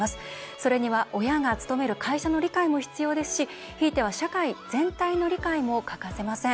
それには親が勤める会社の理解も必要ですし、ひいては社会全体の理解も欠かせません。